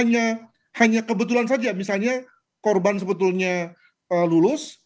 hanya kebetulan saja misalnya korban sebetulnya lulus